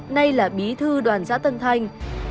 nay là bí thư đoàn giã tân thanh